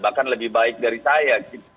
bahkan lebih baik dari saya